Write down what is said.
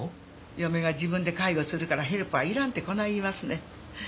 嫁が自分で介護するからヘルパーはいらんって言いますねん。